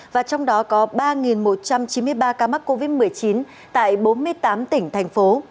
và trong đó có ba một trăm chín mươi ba ca mắc covid một mươi chín tại bốn mươi tám tỉnh thành phố